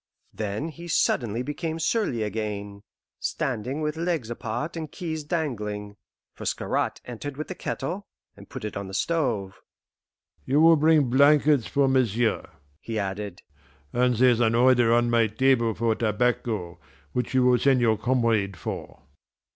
Then he suddenly became surly again, standing with legs apart and keys dangling; for Scarrat entered with the kettle, and put it on the stove. "You will bring blankets for m'sieu'," he added, "and there's an order on my table for tobacco, which you will send your comrade for."